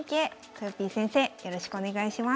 とよぴー先生よろしくお願いします。